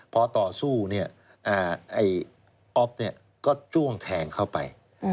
พอต่อสู้เนี่ยอ่าไอ้ออฟเนี่ยก็จ้วงแทงเข้าไปอืม